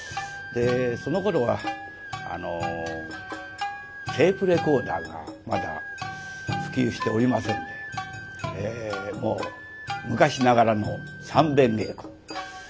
そのころはテープレコーダーがまだ普及しておりませんでもう昔ながらの三遍稽古。